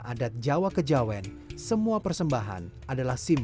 bisa diunggah kita dijiwakan kami untuk pemandangan kaki kambing